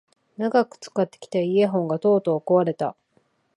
長く使ってきたイヤホンがとうとう壊れた